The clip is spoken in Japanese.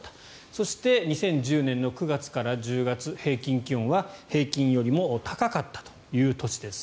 そして２０１０年の９月から１０月平均気温は平均よりも高かったという年です。